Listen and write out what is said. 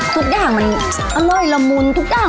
ทุกอย่างมันอร่อยละมุนทุกอย่าง